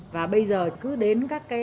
và bây giờ cứ đến các cái